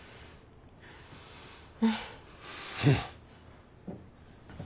うん。